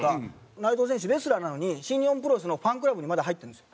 内藤選手レスラーなのに新日本プロレスのファンクラブにまだ入ってるんですよ。